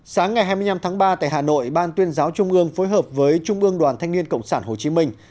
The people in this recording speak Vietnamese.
sáng ngày hai mươi năm tháng ba tại hà nội ban tuyên giáo trung ương phối hợp với trung ương đoàn thanh niên cộng sản hồ chí minh